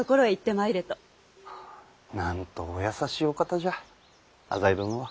なんとお優しいお方じゃ浅井殿は。